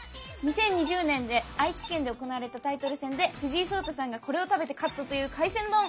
２０２０年愛知県で行われたタイトル戦で藤井聡太さんがこれを食べて勝ったという「海鮮丼」！